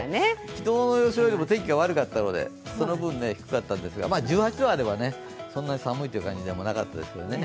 昨日の予想よりも天気が悪かったのでその分、低かったんですが、１８度あれば、そんなに寒いという感じでもなかったですよね。